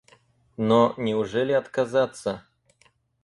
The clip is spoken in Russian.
Но неужели отказаться?